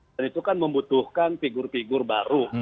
dan itu kan membutuhkan figur figur baru